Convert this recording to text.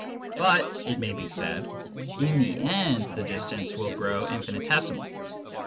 " But," it may be said, " in the end the distance will grow infinitesimal.''